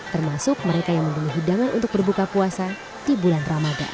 termasuk mereka yang membeli hidangan untuk berbuka puasa di bulan ramadan